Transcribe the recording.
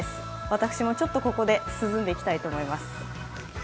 私もちょっとここで涼んでいきたいと思います。